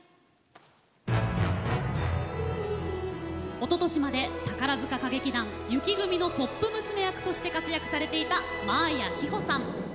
おととしまで、宝塚歌劇団雪組のトップ娘役として活躍されていた真彩希帆さん。